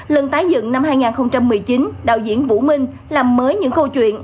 lần tái dựng năm hai nghìn một mươi chín đạo diễn vũ minh làm mới những câu chuyện